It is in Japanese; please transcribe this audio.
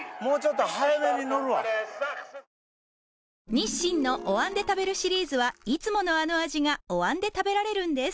日清のお椀で食べるシリーズはいつものあの味がお椀で食べられるんです